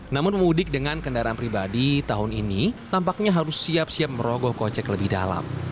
namun pemudik dengan kendaraan pribadi tahun ini tampaknya harus siap siap merogoh kocek lebih dalam